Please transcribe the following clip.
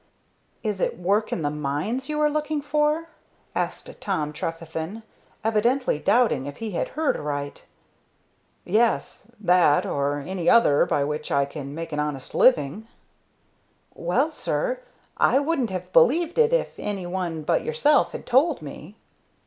"Is it work in the mines you are looking for?" asked Tom Trefethen, evidently doubting if he had heard aright. "Yes, that or any other by which I can make an honest living." "Well, sir, I wouldn't have believed it if any one but yourself had told me."